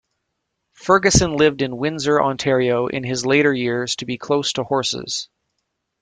Ferguson lived in Windsor, Ontario in his later years to be close to horses.